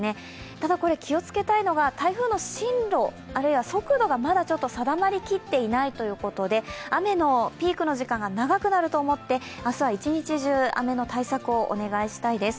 ただこれ気をつけたいのが台風の進路あるいは速度がまだちょっと定まりきっていないということで雨のピークの時間が長くなると思って明日は一日中、雨の対策をお願いしたいです。